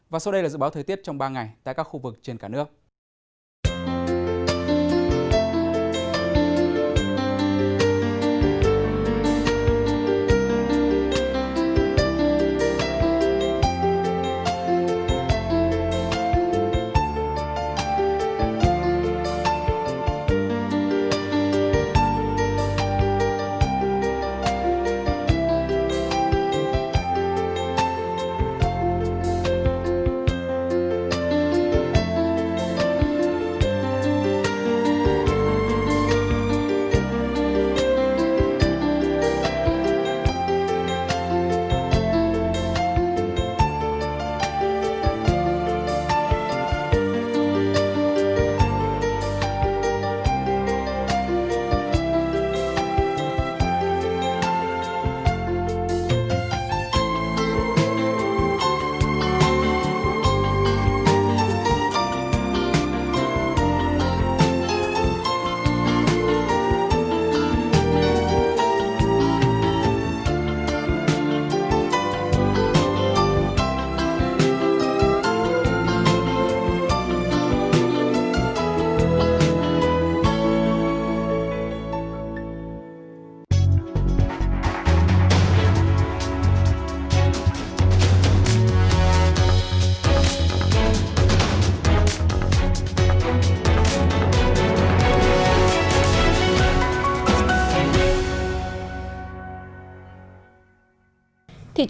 và sau đây là dự báo thời tiết trong ba ngày tại các khu vực trên cả nước